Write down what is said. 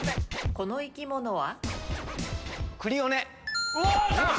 この生き物は？